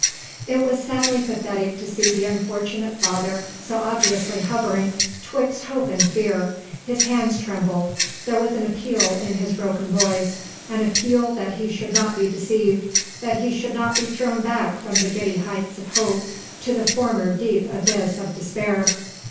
It was sadly pathetic to see the unfortunate father so obviously hovering 'twixt hope and fear, his hands trembled, there was an appeal in his broken voice, an appeal that he should not be deceived, that he should not be thrown back from the giddy heights of hope to the former deep abyss of despair.